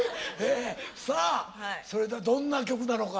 さあそれではどんな曲なのか。